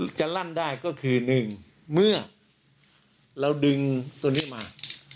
จะลั่นได้ก็คือ๑เมื่อเราดึงตัวนี้มา